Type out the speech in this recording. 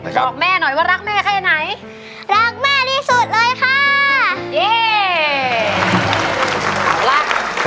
บอกแม่หน่อยว่ารักแม่แค่ไหนรักแม่ที่สุดเลยค่ะนี่